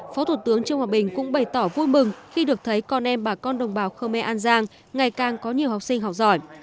phó thủ tướng trương hòa bình cũng bày tỏ vui mừng khi được thấy con em bà con đồng bào khơ me an giang ngày càng có nhiều học sinh học giỏi